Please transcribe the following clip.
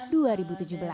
gria putri jakarta